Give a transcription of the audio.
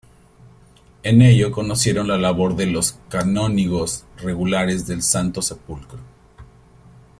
En ello conocieron la labor de los Canónigos Regulares del Santo Sepulcro.